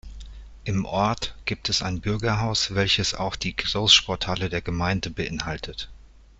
Im Ort gibt es ein Bürgerhaus, welches auch die Großsporthalle der Gemeinde beinhaltet.